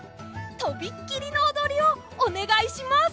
とびっきりのおどりをおねがいします！